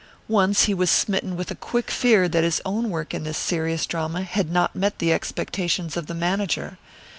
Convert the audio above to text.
Once he was smitten with a quick fear that his own work in this serious drama had not met the expectations of the manager.